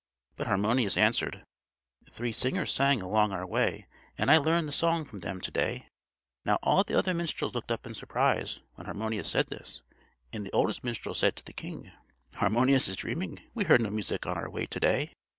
But Harmonius answered: "Three singers sang along our way, And I learned the song from them to day." Now, all the other minstrels looked up in surprise when Harmonius said this; and the oldest minstrel said to the king: "Harmonius is dreaming! We heard no music on our way to day."